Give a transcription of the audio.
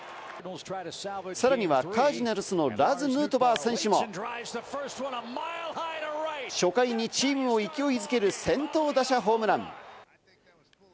さらにはカージナルスのラーズ・ヌートバー選手も初回にチームを勢いづける先頭打者ホームラン。